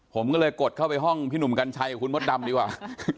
ผมก็เลยกดเข้าไปห้องพี่หนุ่มกัญชัยกับคุณมดดำดีกว่า